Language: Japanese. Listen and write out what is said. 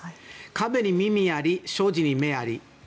壁に耳あり障子に目あり。